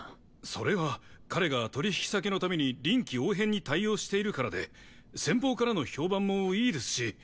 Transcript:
それは彼が取引先のために臨機応変に対応しているからで先方からの評判もいいですし。